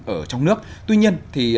ở trong nước tuy nhiên thì